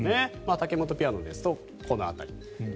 タケモトピアノですとこの辺り。